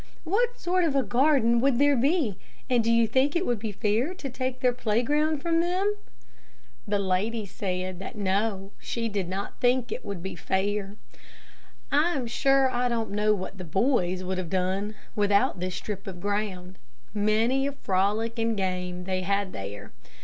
What sort of a garden would there be, and do you think it would be fair to take their playground from them?" The lady said, "No, she did not think it would be fair." I am sure I don't know what the boys would have done without this strip of ground. Many a frolic and game they had there.